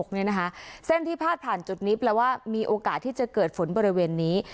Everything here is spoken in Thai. เส้นที่พาดผ่านจุดนี้แปลว่ามีโอกาสที่จะเกิดฝนบริเวณนี้